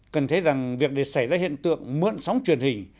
cần thấy rằng việc để xảy ra hiện tượng mượn sóng truyền hình